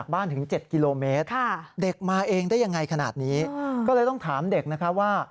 ก็เลยต้องถามเด็กว่า